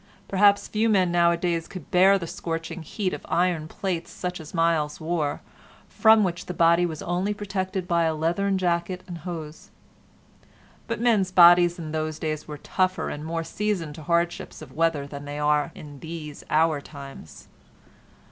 Perhaps few men nowadays could bear the scorching heat of iron plates such as Myles wore, from which the body was only protected by a leathern jacket and hose. But men's bodies in those days were tougher and more seasoned to hardships of weather than they are in these our times.